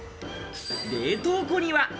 冷凍庫には。